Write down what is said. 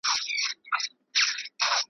ما یې قبر دی لیدلی چي په کاڼو وي ویشتلی .